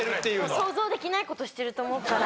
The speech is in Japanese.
想像できない事してると思うから。